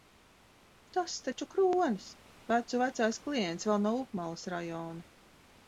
Tas taču Kronis! Vecu vecais klients vēl no upmalas rajona.